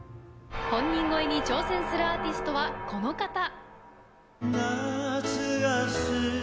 本人超えに挑戦するアーティストはこの方。